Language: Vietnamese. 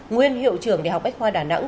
nguyên hiệu trưởng đh bách khoa đà nẵng